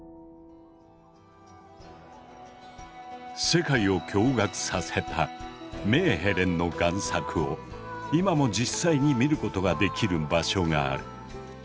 世界を驚がくさせたメーヘレンの贋作を今も実際に見ることができる場所がある。